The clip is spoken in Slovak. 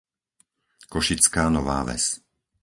Košická Nová Ves